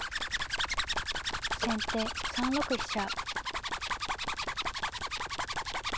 先手３六飛車。